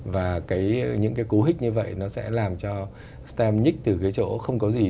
và những cố hích như vậy sẽ làm cho stem nhích từ chỗ không có gì